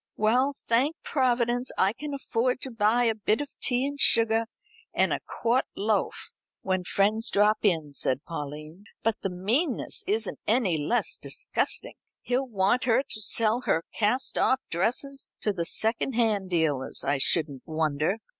"Well, thank Providence, I can afford to buy a bit of tea and sugar and a quart loaf when a friend drops in," said Pauline, "but the meanness isn't any less disgusting. He'll want her to sell her cast off dresses to the secondhand dealers, I shouldn't wonder."